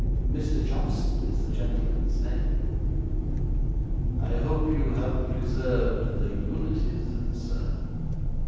Mr. Johnson is the gentleman's name.' 'I hope you have preserved the unities, sir?